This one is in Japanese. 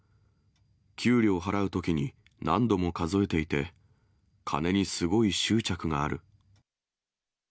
給料を払うときに、何度も数えていて、金にすごい執着がある。